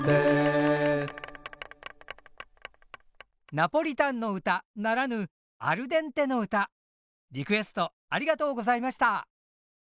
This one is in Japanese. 「ナポリタンの歌」ならぬリクエストありがとうございました。